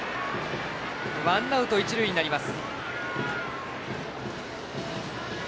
ワンアウト、一塁になります。